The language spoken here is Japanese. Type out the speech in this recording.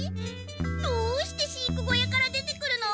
どうして飼育小屋から出てくるの？